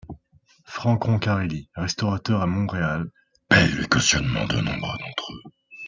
Frank Roncarelli, restaurateur à Montréal, paye les cautionnements de nombreux d’entre eux.